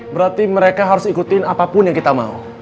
berarti mereka harus ikutin apapun yang kita mau